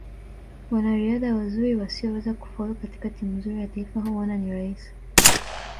Wanariadha wazuri wasioweza kufaulu katika timu nzuri ya taifa huona ni rahisi